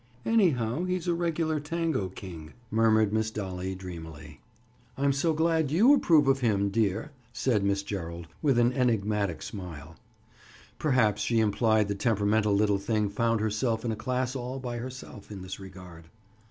"Anyhow, he's a regular tango king!" murmured Miss Dolly dreamily. "I'm so glad you approve of him, dear!" said Miss Gerald with an enigmatic smile. Perhaps she implied the temperamental little thing found herself in a class, all by herself, in this regard.